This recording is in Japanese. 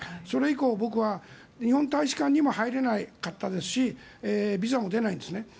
それ以降、僕は日本大使館にも入れなかったですしビザも出ないんですね。